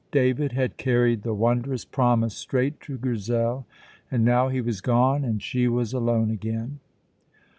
David had carried the wondrous promise straight to Grizel, and now he was gone and she was alone again.